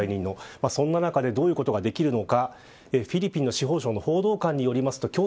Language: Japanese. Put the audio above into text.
その中でどういうことができるのか。